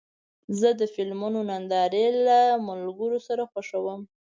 زه د فلمونو نندارې له ملګرو سره خوښوم.